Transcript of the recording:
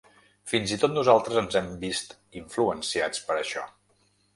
Fins i tot nosaltres ens hem vist influenciats per això.